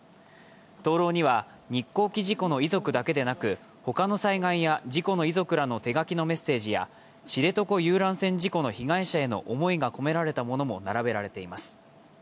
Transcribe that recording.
灯籠には日航機事故の遺族だけでなく他の災害や事故の遺族らの手書きのメッセージや知床遊覧船事故の被害者への思いが込められたものも並べられています。